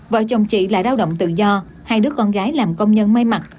vợ chồng chị là lao động tự do hai đứa con gái làm công nhân may mặt